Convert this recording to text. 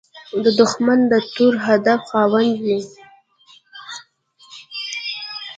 دښمن د تور هدف خاوند وي